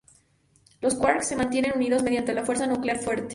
Los quarks se mantienen unidos mediante la fuerza nuclear fuerte.